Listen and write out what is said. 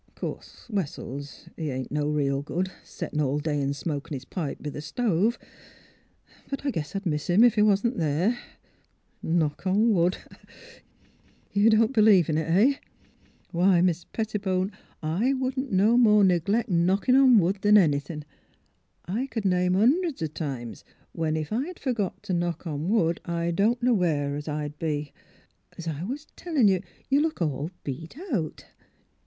'Course, Wessels, he ain't no real good, settin' all day an' smokin' 'is pipe b' th' stove. But I guess I'd miss 'im if he wa'n't there. Knocl^ on wood! — You don't believe in it — heh? W'y, Mis' Pettibone, I wouldn't no more neglect knockin' on wood than anythin'! I c'd name hunderds o' times when if I'd f ergot t' knock on wood I don't know where I'd 'a be'n. As I was tellin' you, you look all beat out."